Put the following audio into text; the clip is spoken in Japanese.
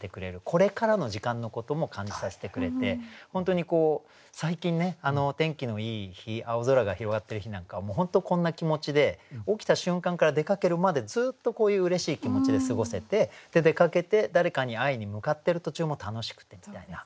これからの時間のことも感じさせてくれて本当に最近ねお天気のいい日青空が広がってる日なんかは本当こんな気持ちで起きた瞬間から出かけるまでずっとこういううれしい気持ちで過ごせて出かけて誰かに会いに向かってる途中も楽しくてみたいな。